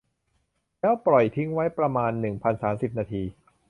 แล้วปล่อยทิ้งไว้ประมาณ หนึ่งพันสามสิบ นาที